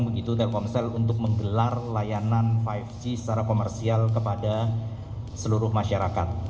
begitu telkomsel untuk menggelar layanan lima g secara komersial kepada seluruh masyarakat